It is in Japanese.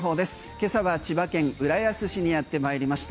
今朝は千葉県浦安市にやってまいりました。